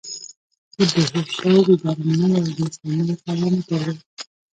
د بیهوشۍ د درملو د زغملو توان نه درلود.